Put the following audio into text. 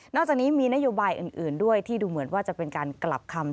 จากนี้มีนโยบายอื่นด้วยที่ดูเหมือนว่าจะเป็นการกลับคำ